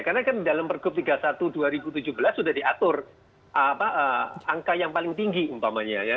karena kan dalam pergub tiga puluh satu dua ribu tujuh belas sudah diatur angka yang paling tinggi umpamanya ya